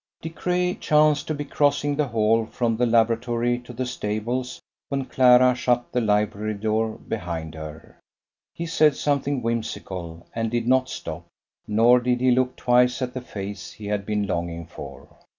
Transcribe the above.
De Craye chanced to be crossing the hall from the laboratory to the stables when Clara shut the library door behind her. He said something whimsical, and did not stop, nor did he look twice at the face he had been longing for.